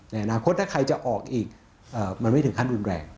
ในอนาคตถ้าใครจะออกอีกมันไม่ถึงขั้นรุนแรง